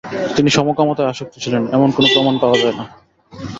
তিনি সমকামিতায় আসক্ত ছিলেন, এমন কোন প্রমাণ পাওয়া যায় না।